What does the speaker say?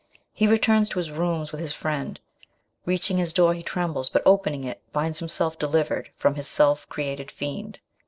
He returns to his rooms with his friend. Reaching his door, he trembles, but opening it, finds himself " FRANKENSTEIN: 105 delivered from his self created fiend.